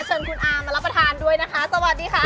เชิญคุณอามารับประทานด้วยนะคะสวัสดีค่ะ